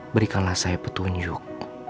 berikanlah saya petunjuk